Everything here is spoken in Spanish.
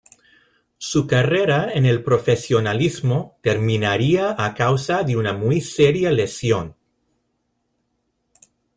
Su carrera en el profesionalismo terminaría a causa de una muy seria lesión.